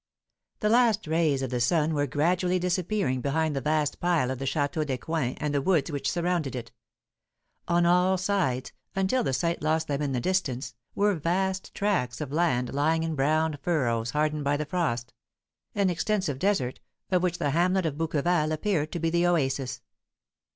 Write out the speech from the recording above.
The last rays of the sun were gradually disappearing behind the vast pile of the Château d'Ecouen and the woods which surrounded it. On all sides, until the sight lost them in the distance, were vast tracts of land lying in brown furrows hardened by the frost an extensive desert, of which the hamlet of Bouqueval appeared to be the oasis.